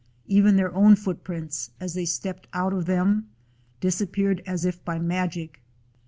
Even their own footprints, as they stepped out of them, disappeared as if by magic.